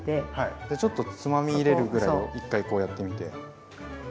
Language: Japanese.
じゃちょっとつまみ入れるぐらいを一回こうやってみて。